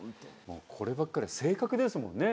こればっかりは性格ですもんね。